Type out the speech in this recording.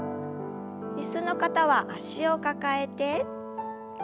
椅子の方は脚を抱えて。